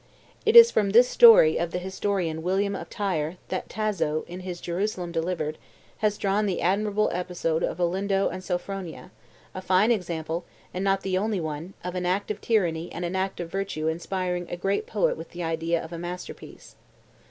It is from this story of the historian William of Tyre, that Tasso, in his Jerusalem Delivered, has drawn the admirable episode of Olindo and Sophronia; a fine example, and not the only one, of an act of tyranny and an act of virtue inspiring a great poet with the idea of a masterpiece.